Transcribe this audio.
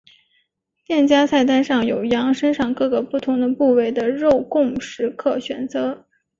店家菜单上有羊身上各个不同的部位的肉供食客选择。